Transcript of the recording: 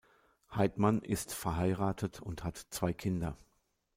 Heitmann ist verheiratet und hat zwei Kinder.